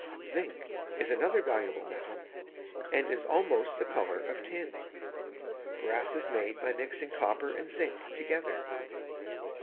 Zinc is another valuable metal, and is almost the color of tin. Brass is made by mixing copper and zinc together.